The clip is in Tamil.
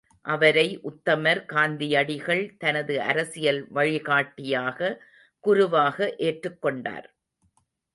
அவரை உத்தமர் காந்தியடிகள் தனது அரசியல் வழிகாட்டியாக, குருவாக ஏற்றுக் கொண்டார்.